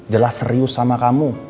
jelas serius sama kamu